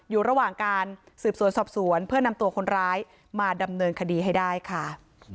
อยู่ระหว่างการสืบสวนสอบสวนเพื่อนำตัวคนร้ายมาดำเนินคดีให้ได้ค่ะ